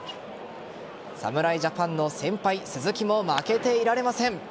侍ジャパンの先輩鈴木も負けていられません。